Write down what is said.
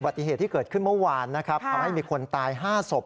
ติเหตุที่เกิดขึ้นเมื่อวานนะครับทำให้มีคนตาย๕ศพ